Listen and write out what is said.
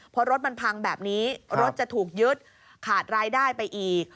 พอรถมันพังแบบนี้รถจะถูกยึดขาดรายได้ไปอีก